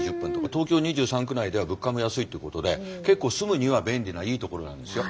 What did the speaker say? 東京２３区内では物価も安いってことで結構住むには便利ないい所なんですよ。